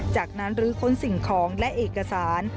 จากนั้นลื้อค้นสิ่งของและเอกสาร